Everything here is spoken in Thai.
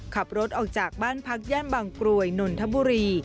ขับรถออกจากบ้านพักย่านบางกรวยนนทบุรี